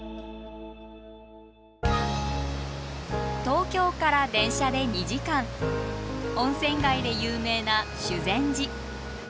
東京から電車で２時間温泉街で有名な修善寺。